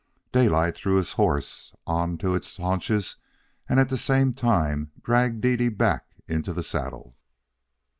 Daylight threw his horse on to its haunches and at the same time dragged Dede back into the saddle.